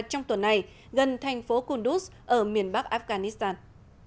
trong tuần này gần thành phố kunduz ở miền bắc afghanistan